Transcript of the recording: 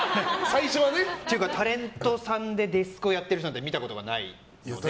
っていうかタレントさんでデスクをやってる人を見たことがないので。